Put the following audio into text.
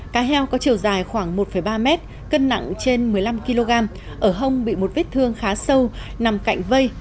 cá heo có chiều dài khoảng một ba mét cân nặng trên một mươi năm kg ở hông bị một vết thương khá sâu nằm cạnh vây